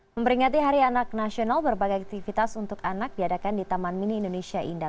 memperingati hari anak nasional berbagai aktivitas untuk anak diadakan di taman mini indonesia indah